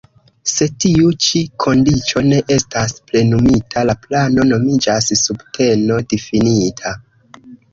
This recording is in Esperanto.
Se tiu ĉi kondiĉo ne estas plenumita, la plano nomiĝas "subteno-difinita".